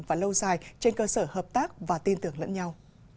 và lâu dài trên cơ sở hợp tác và tin tưởng lẫn nhau